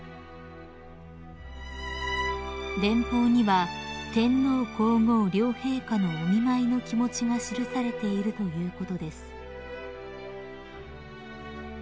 ［電報には天皇皇后両陛下のお見舞いの気持ちが記されているということです］